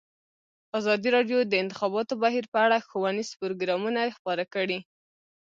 ازادي راډیو د د انتخاباتو بهیر په اړه ښوونیز پروګرامونه خپاره کړي.